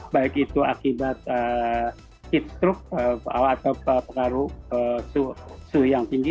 baik itu akibat heatstroke atau pengaruh suhu yang tinggi